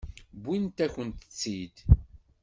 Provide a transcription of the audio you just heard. Wwint-akent-tt-id.